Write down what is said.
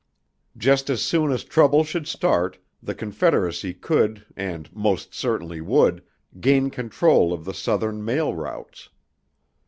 Just as soon as trouble should start, the Confederacy could, and most certainly would, gain control of the southern mail routes.